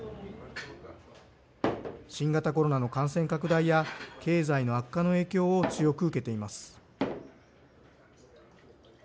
新型コロナの感染拡大や経済の悪化の影響を強く受けています。